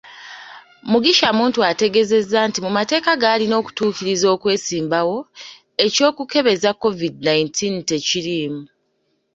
Mugisha Muntu ategeezezza nti mu mateeka g'alina okutuukiriza okwesimbawo, ekyokukebeza Covid nineteen tekiriimu.